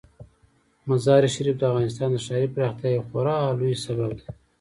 مزارشریف د افغانستان د ښاري پراختیا یو خورا لوی سبب دی.